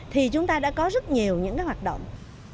thì chúng ta đã có rất nhiều những cái hoạt động